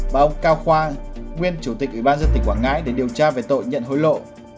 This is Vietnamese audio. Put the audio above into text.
và ông cao khoa nguyên chủ tịch ủy ban dân tỉnh quảng ngãi để điều tra về tội nhận hối lộ